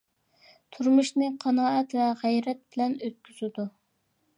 تۇرمۇشنى قانائەت ۋە غەيرەت بىلەن ئۆتكۈزىدۇ.